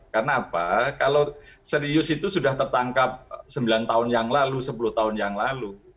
karena apa kalau serius itu sudah tertangkap sembilan tahun yang lalu sepuluh tahun yang lalu